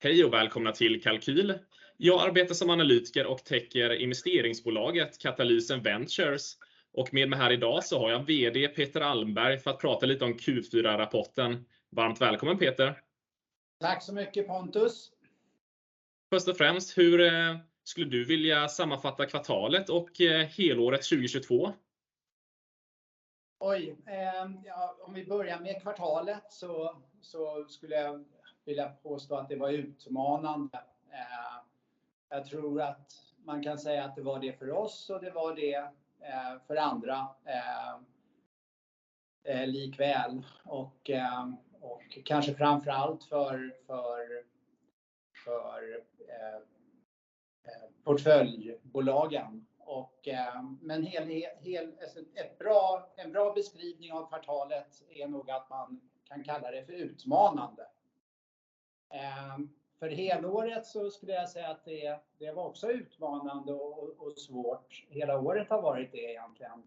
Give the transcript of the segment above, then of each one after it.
Hej och välkomna till Kalqyl. Jag arbetar som analytiker och täcker investeringsbolaget Katalysen Ventures och med mig här i dag så har jag Vd Peter Almberg för att prata lite om Q4-rapporten. Varmt välkommen Peter. Tack så mycket Pontus. Först och främst, hur skulle du vilja sammanfatta kvartalet och helåret 2022? Om vi börjar med kvartalet skulle jag vilja påstå att det var utmanande. Jag tror att man kan säga att det var det för oss och det var det för andra. Likväl och kanske framför allt för portföljbolagen. Men alltså en bra beskrivning av kvartalet är nog att man kan kalla det för utmanande. För helåret skulle jag säga att det var också utmanande och svårt. Hela året har varit det egentligen.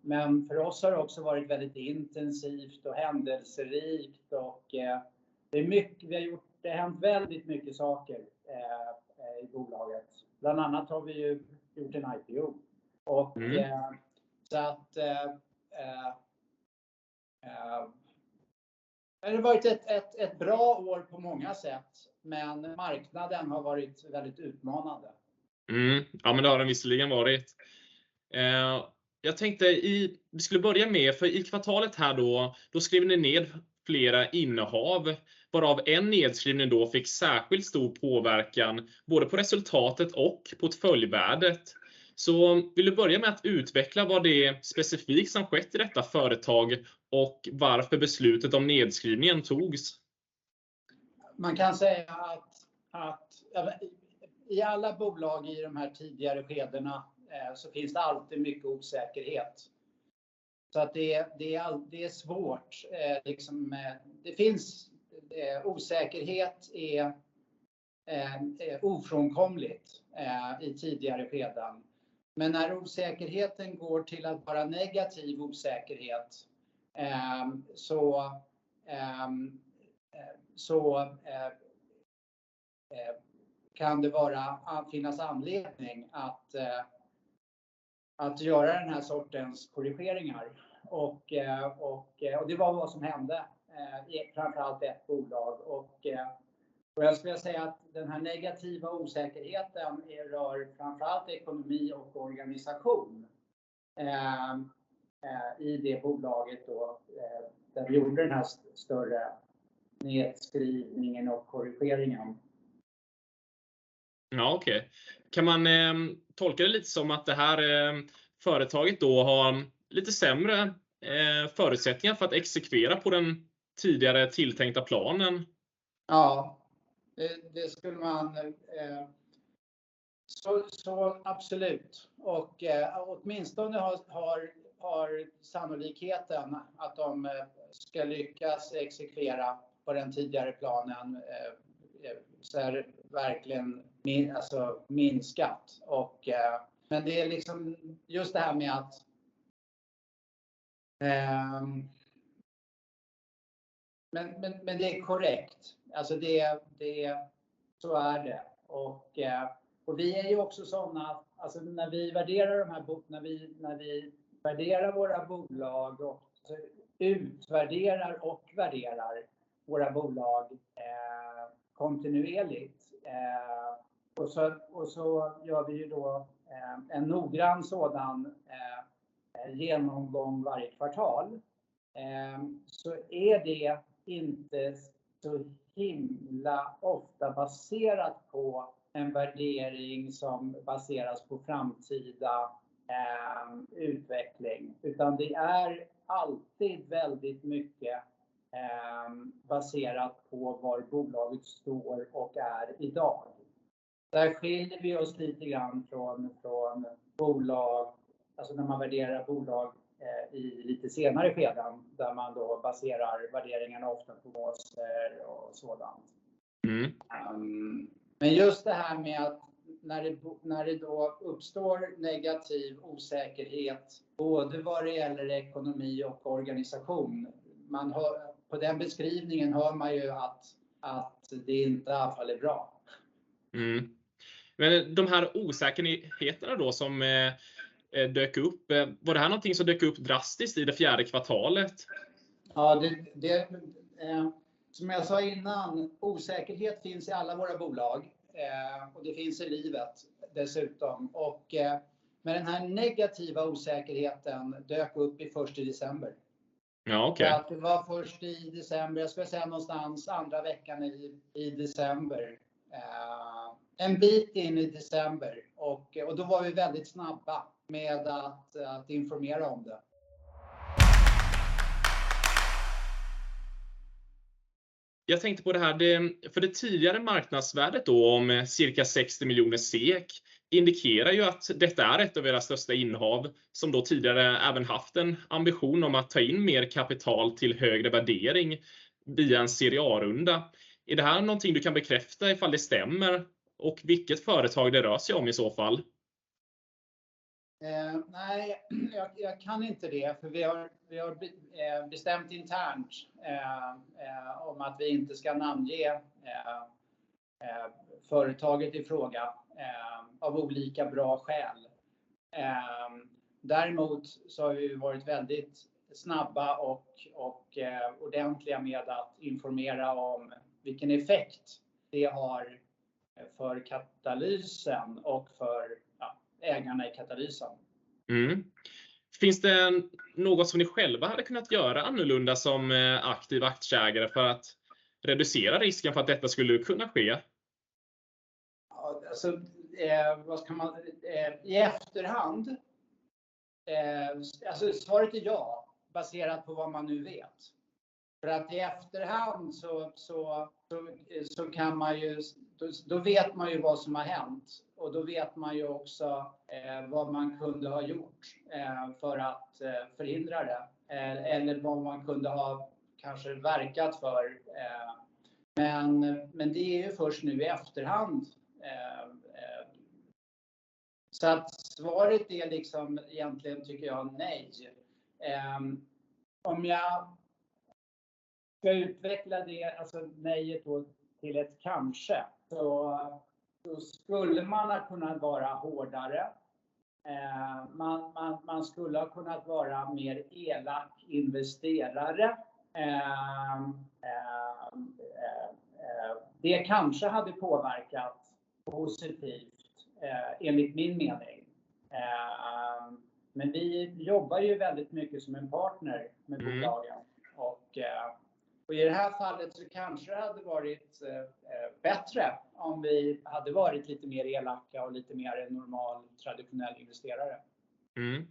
Men för oss har det också varit väldigt intensivt och händelserikt och det har hänt väldigt mycket saker i bolaget. Bland annat har vi ju gjort en IPO. Det har varit ett bra år på många sätt, men marknaden har varit väldigt utmanande. Ja, men det har den visserligen varit. Vi skulle börja med för i kvartalet här då skriver ni ned flera innehav, varav en nedskrivning då fick särskild stor påverkan både på resultatet och portföljvärdet. Vill du börja med att utveckla vad det är specifikt som skett i detta företag och varför beslutet om nedskrivningen togs? Man kan säga att, ja men i alla bolag i de här tidigare skedena finns det alltid mycket osäkerhet. Det är svårt. Liksom det finns osäkerhet är ofrånkomligt i tidigare skeden. När osäkerheten går till att vara negativ osäkerhet, så kan det finnas anledning att göra den här sortens korrigeringar. Och det var vad som hände i framför allt ett bolag. Jag skulle säga att den här negativa osäkerheten rör framför allt ekonomi och organisation i det bolaget då där vi gjorde den här större nedskrivningen och korrigeringen. Ja, okej. Kan man tolka det lite som att det här företaget då har lite sämre förutsättningar för att exekvera på den tidigare tilltänkta planen? Ja, det skulle man. Så absolut. Åtminstone har sannolikheten att de ska lyckas exekvera på den tidigare planen, så är det verkligen minskat och. Det är liksom just det här med att. Men det är korrekt. Alltså det så är det. Vi är ju också sådana, alltså när vi värderar våra bolag och utvärderar och värderar våra bolag kontinuerligt. Så gör vi ju då en noggrann sådan genomgång varje kvartal. Så är det inte så himla ofta baserat på en värdering som baseras på framtida utveckling, utan det är alltid väldigt mycket baserat på var bolaget står och är i dag. Där skiljer vi oss lite grann från bolag, alltså när man värderar bolag i lite senare skeden, där man då baserar värderingarna ofta på... Jag tänkte på det här, det, för det tidigare marknadsvärdet då om cirka 60 million indikerar ju att detta är ett av era största innehav som då tidigare även haft en ambition om att ta in mer kapital till högre värdering via en Serie A-runda. Är det här någonting du kan bekräfta ifall det stämmer och vilket företag det rör sig om i så fall? Jag kan inte det för vi har bestämt internt om att vi inte ska namnge företaget i fråga av olika bra skäl. Däremot så har vi varit väldigt snabba och ordentliga med att informera om vilken effekt det har för Katalysen och för ja, ägarna i Katalysen. Finns det något som ni själva hade kunnat göra annorlunda som aktiv aktieägare för att reducera risken för att detta skulle kunna ske? I efterhand. Alltså svaret är ja, baserat på vad man nu vet. I efterhand så kan man ju, då vet man ju vad som har hänt och då vet man ju också vad man kunde ha gjort för att förhindra det. Eller vad man kunde ha kanske verkat för, men det är ju först nu i efterhand. Svaret är liksom egentligen tycker jag nej. Om jag ska utveckla det, alltså nejet då till ett kanske, så skulle man ha kunnat vara hårdare. Man skulle ha kunnat vara mer elak investerare. Det kanske hade påverkat positivt enligt min mening. Vi jobbar ju väldigt mycket som en partner med bolagen och i det här fallet så kanske det hade varit bättre om vi hade varit lite mer elaka och lite mer normal traditionell investerare. Mm.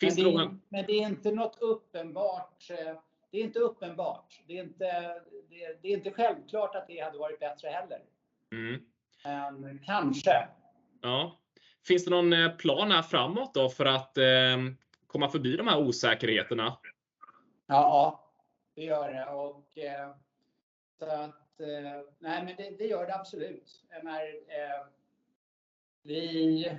Finns det någon- Det är inte något uppenbart. Det är inte uppenbart. Det är inte självklart att det hade varit bättre heller. Mm. Kanske. Ja. Finns det någon plan här framåt då för att komma förbi de här osäkerheterna? Ja, ja, det gör det och så att nej, men det gör det absolut. När vi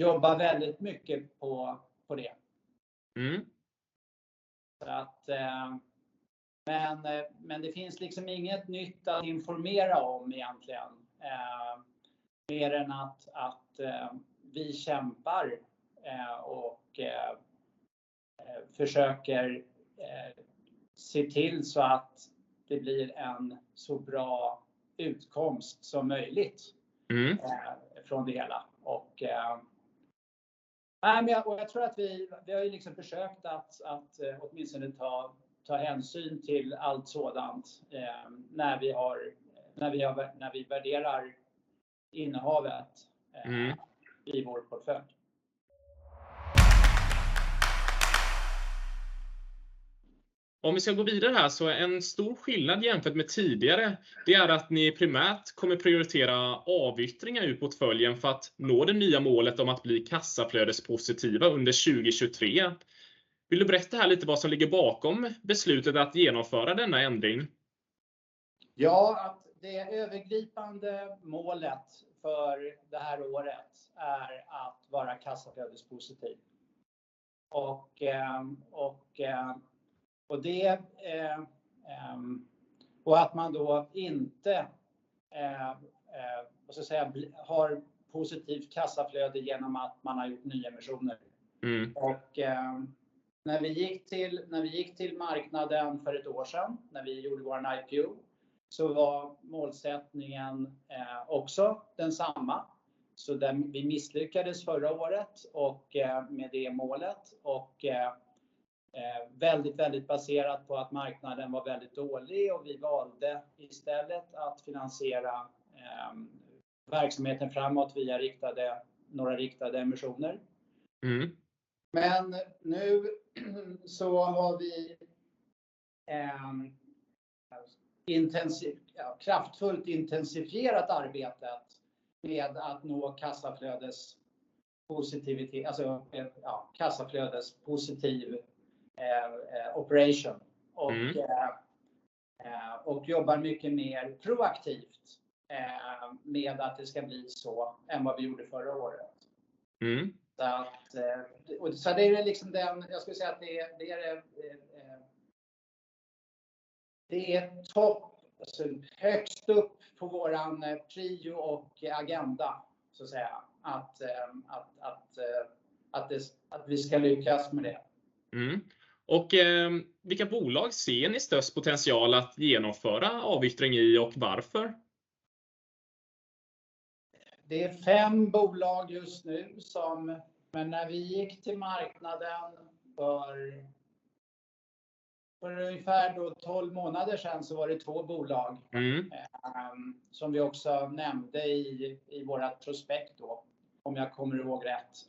jobbar väldigt mycket på det. Mm. Det finns liksom inget nytt att informera om egentligen. Mer än att vi kämpar och försöker se till så att det blir en så bra utkomst som möjligt. Mm. från det hela. nej, men jag tror att vi har ju liksom försökt att åtminstone ta hänsyn till allt sådant när vi har när vi värderar innehavet- Mm. I vår portfölj. Om vi ska gå vidare här så en stor skillnad jämfört med tidigare, det är att ni primärt kommer prioritera avyttringar ur portföljen för att nå det nya målet om att bli kassaflödespositiva under 2023. Vill du berätta här lite vad som ligger bakom beslutet att genomföra denna ändring? Ja, att det övergripande målet för det här året är att vara cashflow-positive. Och det och att man då inte vad ska jag säga, har positivt cashflow genom att man har gjort nyemissioner. Mm. När vi gick till marknaden för 1 år sedan, när vi gjorde vår IPO, var målsättningen också densamma. Den vi misslyckades förra året med det målet, väldigt baserat på att marknaden var väldigt dålig och vi valde istället att finansiera verksamheten framåt via några riktade emissioner. Mm. Nu så har vi en intensiv, ja kraftfullt intensifierat arbetet med att nå kassaflödespositivitet, alltså ja, kassaflödespositiv operation. Mm. Och jobbar mycket mer proaktivt med att det ska bli så än vad vi gjorde förra året. Mm. det är liksom den, jag skulle säga att det är det är topp, alltså högst upp på våran prio och agenda så att säga. Att det, att vi ska lyckas med det. Vilka bolag ser ni störst potential att genomföra avyttring i och varför? Det är 5 bolag just nu. När vi gick till marknaden för ungefär då 12 månader sen så var det 2 bolag. Mm. som vi också nämnde i vårat prospekt då. Om jag kommer ihåg rätt.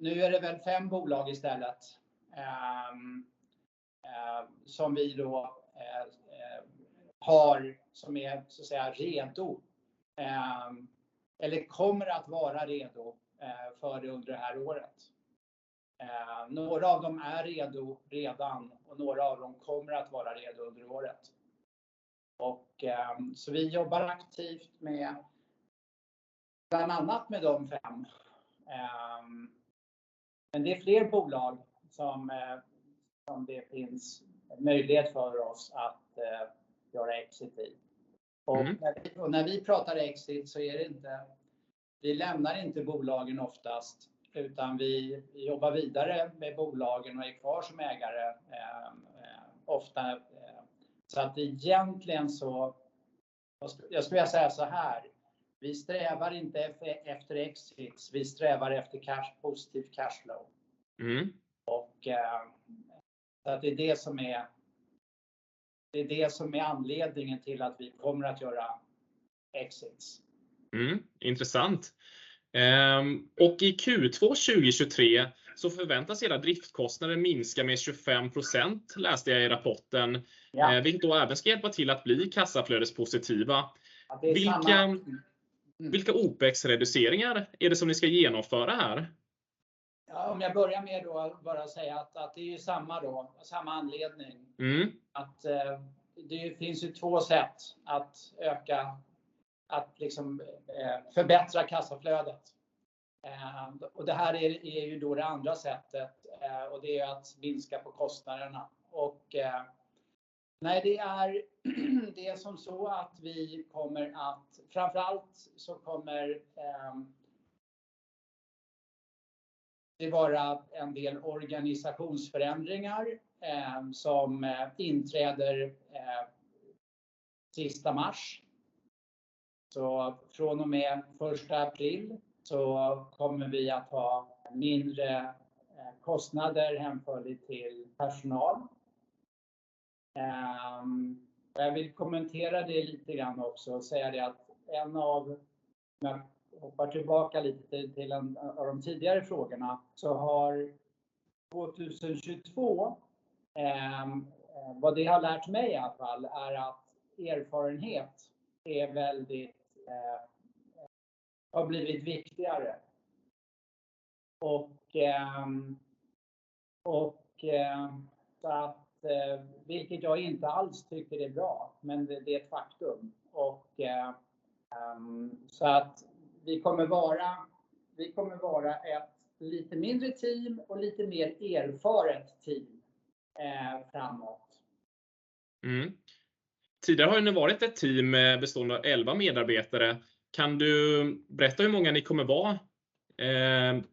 Nu är det väl 5 bolag istället som vi då har som är så att säga redo. Eller kommer att vara redo för det under det här året. Några av dem är redo redan och några av dem kommer att vara redo under året. Vi jobbar aktivt med bland annat med de 5. Men det är fler bolag som det finns möjlighet för oss att göra exit i. När vi pratar exit så är det inte, vi lämnar inte bolagen oftast, utan vi jobbar vidare med bolagen och är kvar som ägare, ofta. Egentligen så... Jag skulle säga såhär, vi strävar inte efter exits, vi strävar efter cash, positivt cashflow. Mm. Det är det som är anledningen till att vi kommer att göra exits. Intressant. I Q2 2023 så förväntas era driftkostnader minska med 25% läste jag i rapporten. Vilket då även ska hjälpa till att bli kassaflödespositiva. Vilka opex-reduceringar är det som ni ska genomföra här? Om jag börjar med då bara säga att det är ju samma anledning. Att det finns ju 2 sätt att öka, att liksom förbättra kassaflödet. Det här är ju då det andra sättet och det är att minska på kostnaderna. Nej, det är som så att vi kommer att framför allt så kommer det vara en del organisationsförändringar som inträder sista mars. Från och med 1st april så kommer vi att ha mindre kostnader hänförligt till personal. Jag vill kommentera det lite grann också och säga det att en av, om jag hoppar tillbaka lite till en av de tidigare frågorna, så har 2022 vad det har lärt mig i alla fall är att erfarenhet är väldigt har blivit viktigare. Att vilket jag inte alls tycker är bra, men det är ett faktum. Vi kommer vara ett lite mindre team och lite mer erfaret team framåt. Tidigare har ju ni varit ett team bestående av 11 medarbetare. Kan du berätta hur många ni kommer vara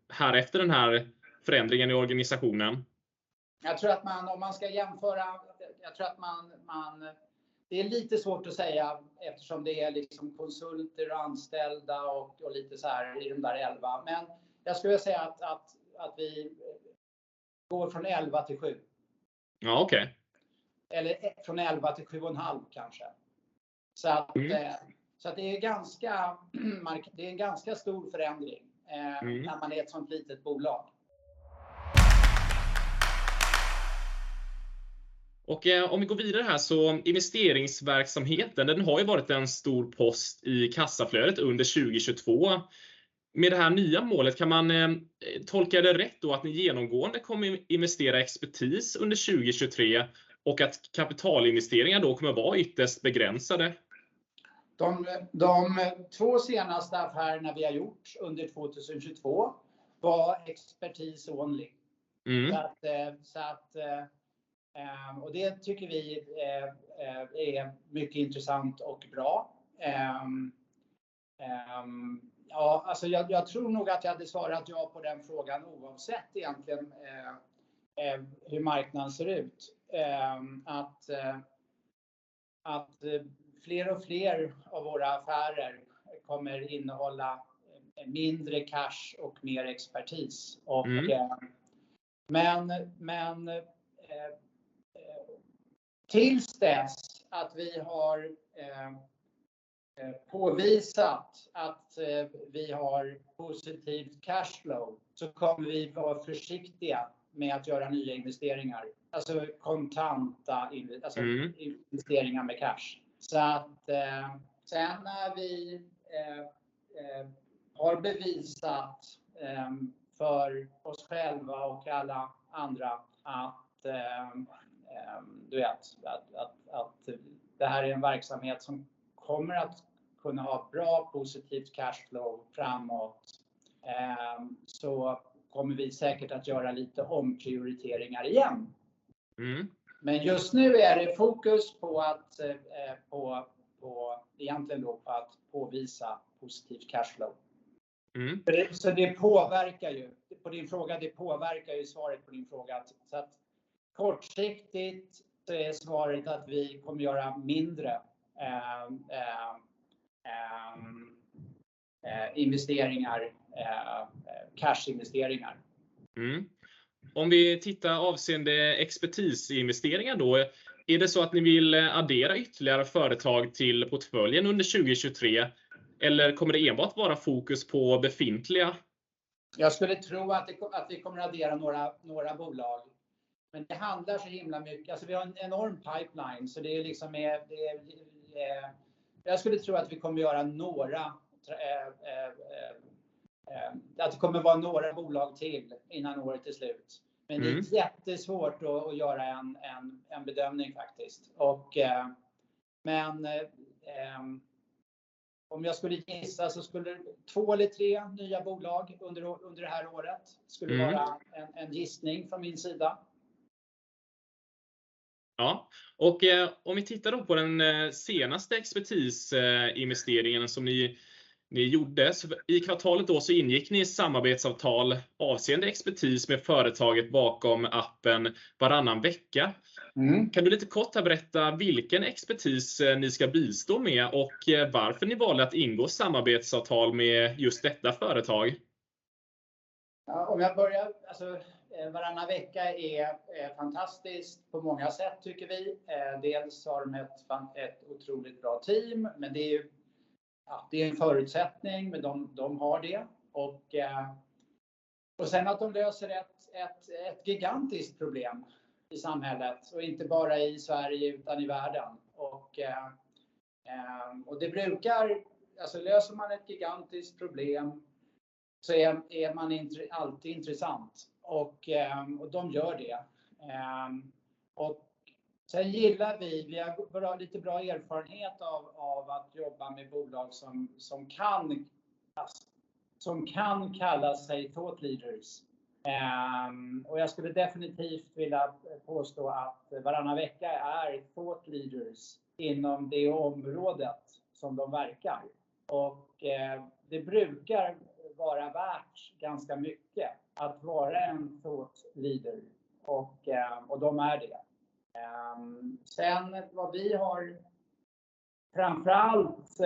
här efter den här förändringen i organisationen? Jag tror att man, om man ska jämföra, jag tror att man. Det är lite svårt att säga eftersom det är liksom konsulter och anställda och lite såhär i de där 11. Jag skulle säga att vi går från 11 till 7. Ja, okay. Från 11 till 7.5 kanske. Det är en ganska stor förändring när man är ett sådant litet bolag. Investeringsverksamheten, den har ju varit en stor post i cashflow under 2022. Med det här nya målet kan man tolka det rätt då att ni genomgående kommer investera expertis under 2023 och att kapitalinvesteringar då kommer vara ytterst begränsade? De två senaste affärerna vi har gjort under 2022 var expertis only. Det tycker vi är mycket intressant och bra. Ja alltså jag tror nog att jag hade svarat ja på den frågan oavsett egentligen hur marknaden ser ut. Att fler och fler av våra affärer kommer innehålla mindre cash och mer expertis. Men tills dess att vi har påvisat att vi har positivt cashflow så kommer vi vara försiktiga med att göra nya investeringar. Alltså kontanta, alltså investeringar med cash. Sen när vi har bevisat för oss själva och alla andra att du vet, att det här är en verksamhet som kommer att kunna ha bra positivt cashflow framåt, så kommer vi säkert att göra lite omprioriteringar igen. Mm. Just nu är det fokus på att, på egentligen då på att påvisa positivt cashflow. Mm. För det, så det påverkar ju. På din fråga, det påverkar ju svaret på din fråga. Kortsiktigt så är svaret att vi kommer göra mindre, investeringar, cash-investeringar. Om vi tittar avseende expertisinvesteringar då. Är det så att ni vill addera ytterligare företag till portföljen under 2023? Kommer det enbart vara fokus på befintliga? Jag skulle tro att vi kommer addera några bolag. Det handlar så himla mycket. Alltså vi har en enorm pipeline. Det är, jag skulle tro att vi kommer att göra några bolag till innan året är slut. Det är jättesvårt att göra en bedömning faktiskt. Om jag skulle gissa så skulle två eller tre nya bolag under det här året skulle vara en gissning från min sida. Ja, om vi tittar då på den senaste expertisinvesteringen som ni gjorde. I kvartalet då ingick ni ett samarbetsavtal avseende expertis med företaget bakom appen Happy Parents. Kan du lite kort här berätta vilken expertis ni ska bistå med och varför ni valde att ingå samarbetsavtal med just detta företag? Ja om jag börjar, alltså Happy Parents är fantastiskt på många sätt tycker vi. Dels har de ett otroligt bra team, det är ju, ja det är en förutsättning, de har det. Sen att de löser ett gigantiskt problem i samhället och inte bara i Sverige utan i världen. Det brukar, alltså löser man ett gigantiskt problem så är man alltid intressant och de gör det. Sen gillar vi har lite bra erfarenhet av att jobba med bolag som kan, alltså som kan kalla sig thought leaders. Jag skulle definitivt vilja påstå att Happy Parents är thought leaders inom det området som de verkar. Det brukar vara värt ganska mycket att vara en thought leader och de är det. Sen vad vi har framför allt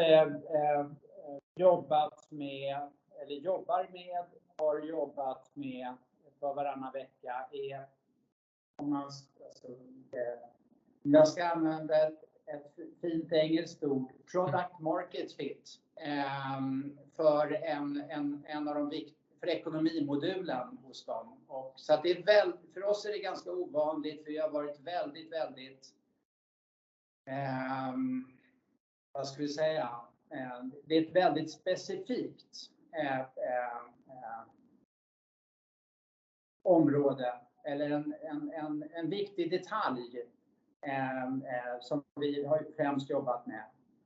jobbat med eller jobbar med, har jobbat med för Happy Parents är om man ska, Jag ska använda ett fint engelskt ord, product market fit, för en av de för ekonomimodulen hos dem. Det är väl, för oss är det ganska ovanligt för vi har varit väldigt, vad ska vi säga? Det är ett väldigt specifikt område eller en viktig detalj som vi har främst jobbat med.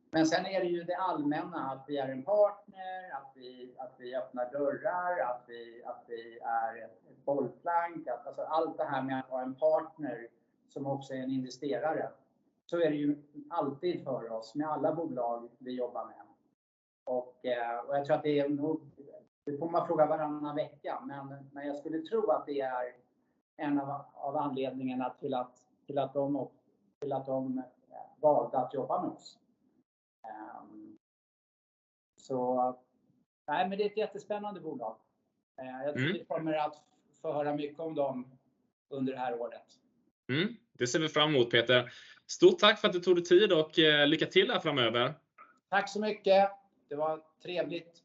Det är ju det allmänna att vi är en partner, att vi, att vi öppnar dörrar, att vi, att vi är ett bollplank. Allt det här med att vara en partner som också är en investerare. Det är ju alltid för oss med alla bolag vi jobbar med. Jag tror att det är nog, nu får man fråga Happy Parents, men jag skulle tro att det är en av anledningarna till att de valde att jobba med oss. Nej, men det är ett jättespännande bolag. Jag tror vi kommer att få höra mycket om dem under det här året. Det ser vi fram emot Peter. Stort tack för att du tog dig tid och lycka till här framöver. Tack så mycket. Det var trevligt.